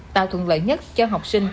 tạo thuận lợi nhất cho học sinh